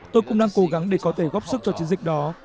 tôi cũng đang cố gắng để có thể góp sức cho chiến dịch đó